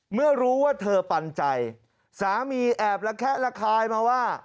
เมื่อรู้ว่าเธอปันใจสามีแอบระแคะระคายมาว่า